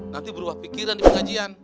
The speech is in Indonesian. nanti berubah pikiran di pengajian